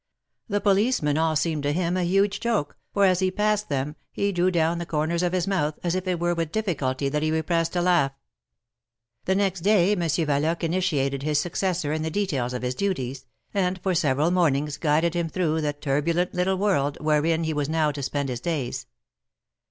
The policemen all seemed to him a huge joke, for as he passed them, he drew down the corners of his mouth, as if it were with difficulty that he repressed a laugh. The next day Monsieur Yaloque initiated his successor in the details of his duties, and for several mornings, guided him through the turbulent little world, wherein he was now to spend his days.